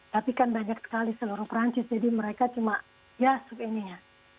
tapi kan banyak sekali seluruh perancis jadi mereka cuma ya ini ya